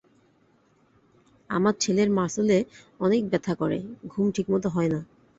আমার ছেলের মাসলে অনেক ব্যথা করে, ঘুম ঠিকমত হয় না।